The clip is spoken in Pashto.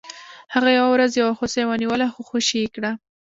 هغه یوه ورځ یو هوسۍ ونیوله خو خوشې یې کړه.